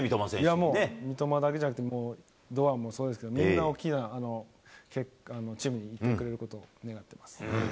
もう、三笘だけじゃなくて、堂安もそうですけど、みんな大きなチームに行ってくれることを願ってます。